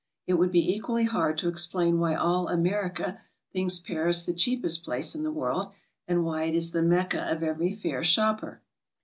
It would be equally hard to explain w'hy all America thinks Paris the cheapest place in the world, and why it is the mecca of every fair shopper.